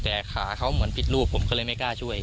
แต่ขาเขาเหมือนผิดรูปผมก็เลยไม่กล้าช่วย